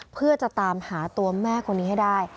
เพื่อจะตามหาตัวแม่คนนี้ให้ได้